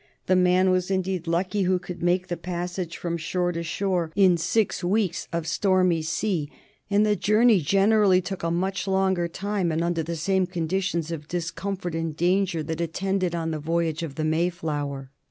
The man was indeed lucky who could make the passage from shore to shore in six weeks of stormy sea, and the journey generally took a much longer time, and under the same conditions of discomfort and of danger that attended on the voyage of the "Mayflower."